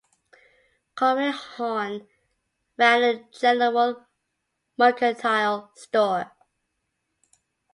Conway Horn ran a general mercantile store.